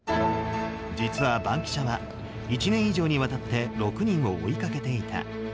実はバンキシャは１年以上にわたって６人を追いかけていた。